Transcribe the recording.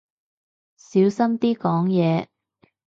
小心啲講嘢